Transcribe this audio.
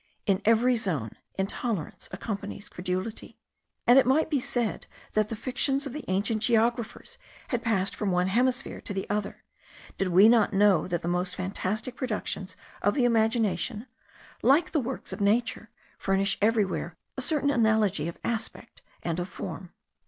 In every zone intolerance accompanies credulity; and it might be said that the fictions of ancient geographers had passed from one hemisphere to the other, did we not know that the most fantastic productions of the imagination, like the works of nature, furnish everywhere a certain analogy of aspect and of form.